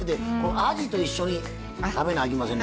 あじと一緒に食べなあきませんね。